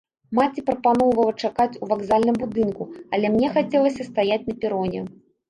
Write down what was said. Маці прапаноўвала чакаць у вакзальным будынку, але мне хацелася стаяць на пероне.